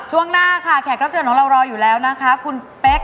ช่วงหน้าค่ะแขกรับเชิญของเรารออยู่แล้วนะคะคุณเป๊ก